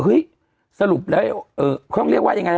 เค้าเรียกว่ายังไงนะ